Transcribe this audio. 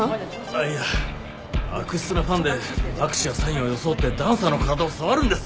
あっいや悪質なファンで握手やサインを装ってダンサーの体を触るんです。